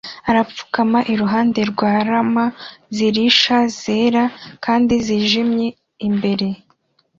arapfukama iruhande rwa llama zirisha zera kandi zijimye imbere